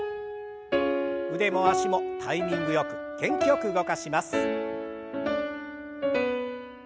腕も脚もタイミングよく元気よく動かします。